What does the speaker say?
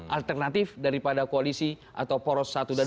alternatif daripada koalisi atau poros satu dan dua